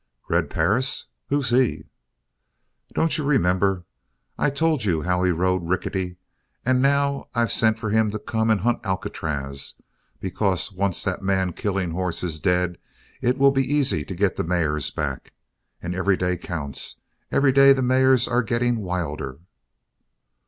"Red Perris? Who's he?" "Don't you remember? I told you how he rode Rickety. And now I've sent for him to come and hunt Alcatraz because once that man killing horse is dead, it will be easy to get the mares back. And every day counts every day the mares are getting wilder!"